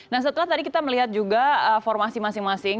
nah setelah tadi kita melihat juga formasi masing masing